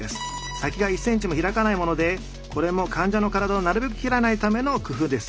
先が１センチも開かないものでこれも患者の体をなるべく切らないための工夫です。